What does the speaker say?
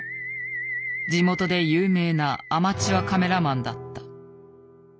地元で有名なアマチュアカメラマンだった。